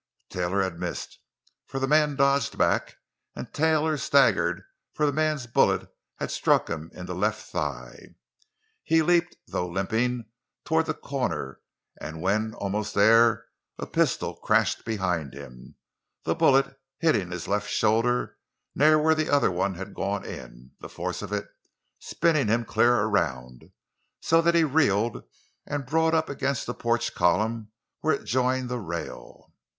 Taylor had missed, for the man dodged back, and Taylor staggered, for the man's bullet had struck him in the left thigh. He leaped, though limping, toward the corner, and when almost there a pistol crashed behind him, the bullet hitting his left shoulder, near where the other had gone in, the force of it spinning him clear around, so that he reeled and brought up against a porch column where it joined the rail.